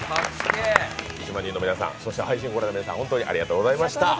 １万人の皆さん、そして配信をご覧の皆さん本当にありがとうございました。